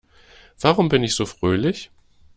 Warum bin ich so fröhlich?